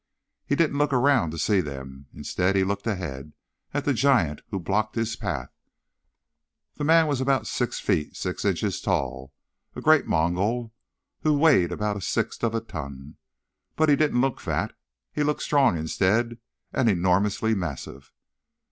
He didn't look around to see them. Instead, he looked ahead, at the giant who blocked his path. The man was about six feet six inches tall, a great Mongol who weighed about a sixth of a ton. But he didn't look fat; he looked strong instead, and enormously massive.